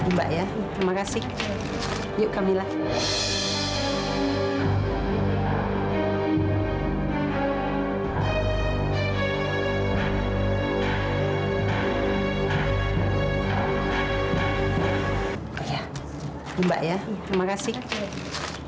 mbak ya terima kasih